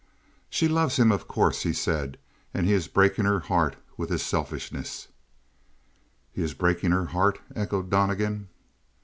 "She loves him, of course," he said, "and he is breaking her heart with his selfishness." "He is breaking her heart?" echoed Donnegan.